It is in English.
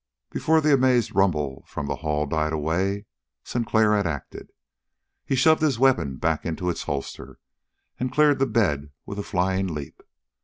Before the amazed rumble from the hall died away, Sinclair had acted. He shoved his weapon back in its holster, and cleared the bed with a flying leap.